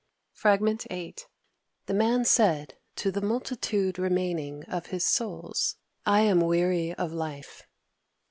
Fr. VIII ... The Man said to the multitude remaining of his Souls: "I am weary of life."